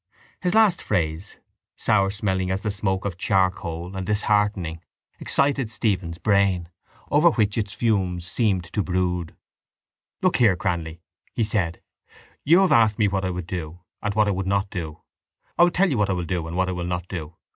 His last phrase, sour smelling as the smoke of charcoal and disheartening, excited Stephen's brain, over which its fumes seemed to brood. —Look here, Cranly, he said. You have asked me what I would do and what I would not do. I will tell you what I will do and what I will not do.